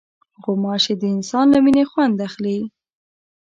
غوماشې د انسان له وینې خوند اخلي.